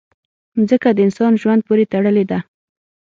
مځکه د انسان ژوند پورې تړلې ده.